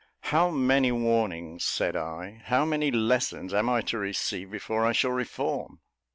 "How many warnings," said I, "how many lessons am I to receive before I shall reform?